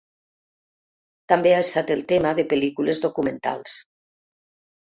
També ha estat el tema de pel·lícules documentals.